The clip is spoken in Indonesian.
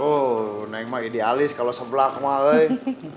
oh neng mah idealis kalo sebelak mah neng